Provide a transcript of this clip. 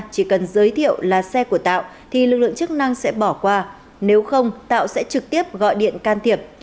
chỉ cần giới thiệu là xe của tạo thì lực lượng chức năng sẽ bỏ qua nếu không tạo sẽ trực tiếp gọi điện can thiệp